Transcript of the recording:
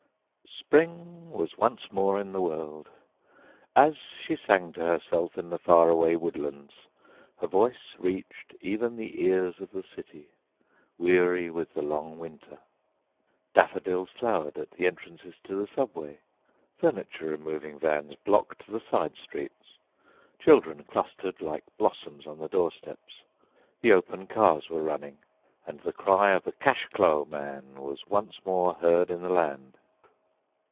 Spring was once more in the world. As she sang to herself in the faraway woodlands her voice reached even the ears of the city, weary with the long winter. Daffodils flowered at the entrances to the Subway, furniture removing vans blocked the side streets, children clustered like blossoms on the doorsteps, the open cars were running, and the cry of the "cash clo'" man was once more heard in the land.